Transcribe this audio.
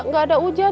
gak ada hujan